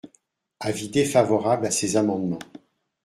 Avis défavorable à ces amendements.